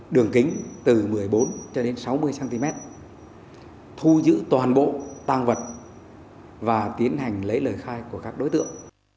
đường kính từ một mươi bốn cho đến sáu mươi cm thu giữ toàn bộ tàng vật và tiến hành lấy lời khai của các đối tượng